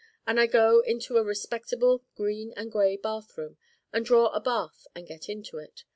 And I go into a respectable green and gray bathroom and draw a bath and get into it.